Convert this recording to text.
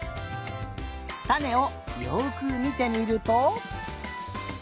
たねをよくみてみると。